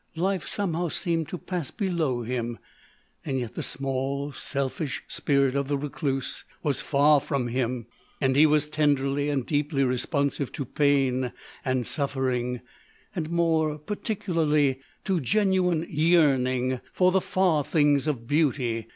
Life somehow seemed to pass below him. Yet the small, selfish spirit of the recluse was far from him, and he was tenderly and deeply responsive to pain and suffering, and more particularly to genuine yearning for the far things of beauty.